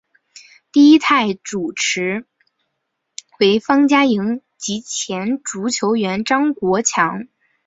第一代主持为方嘉莹及前足球员张国强。